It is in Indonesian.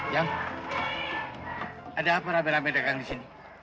yang ada apa rame rame dagang di sini